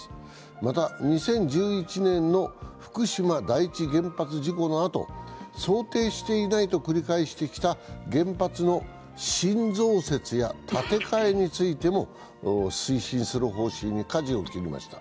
また、２０１１年の福島第一原発のあと、想定していないと繰り返してきた原発の新増設や建て替えについても推進する方針にかじを切りました。